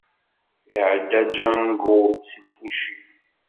Iεedda Django s lfuci.